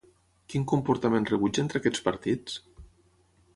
Quin comportament rebutja entre aquests partits?